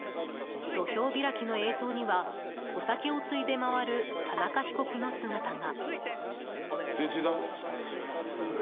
土俵開きの映像にはお酒をついで回る田中被告の姿が。